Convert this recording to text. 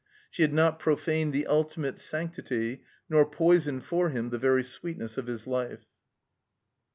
She had not profaned the ultimate sanctity, nor poisoned for him the very sweetness of his life.